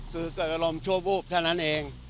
คือเกิดอารมณ์ชั่ววูบเท่านั้นเอง